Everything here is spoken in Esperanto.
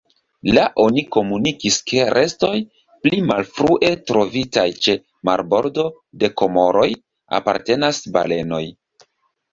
La oni komunikis ke restoj, pli malfrue trovitaj ĉe marbordo de Komoroj, apartenas balenoj.